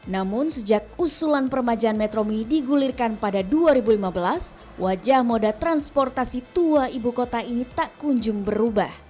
namun sejak usulan permajaan metro mi digulirkan pada dua ribu lima belas wajah moda transportasi tua ibu kota ini tak kunjung berubah